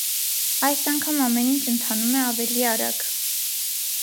Այս անգամ ամեն ինչ ընթանում է ավելի արագ։